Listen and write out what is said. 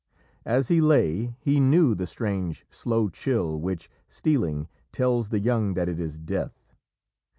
As he lay, he "knew the strange, slow chill which, stealing, tells the young that it is death."